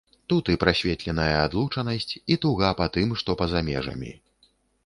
Тут і прасветленая адлучанасць, і туга па тым, што па-за межамі.